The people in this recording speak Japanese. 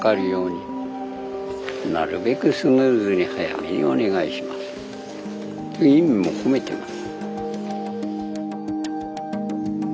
いう意味も込めてます。